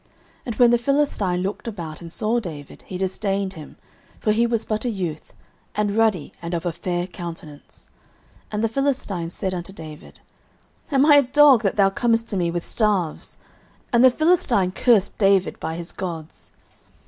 09:017:042 And when the Philistine looked about, and saw David, he disdained him: for he was but a youth, and ruddy, and of a fair countenance. 09:017:043 And the Philistine said unto David, Am I a dog, that thou comest to me with staves? And the Philistine cursed David by his gods.